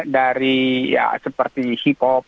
dari ya seperti hip hop